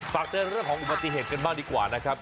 ฝากเตือนเรื่องของอุบัติเหตุกันบ้างดีกว่านะครับ